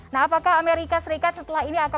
nah apakah amerika serikat setelah ini akan